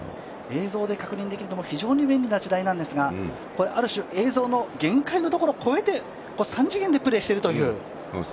映像確認できる非常に便利な時代なんですが、ある種、映像の限界のところを超えて、三次元でプレーしているという。